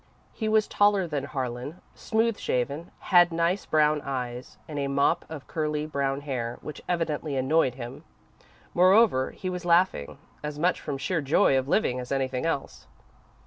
He was taller than Harlan, smooth shaven, had nice brown eyes, and a mop of curly brown hair which evidently annoyed him. Moreover, he was laughing, as much from sheer joy of living as anything else.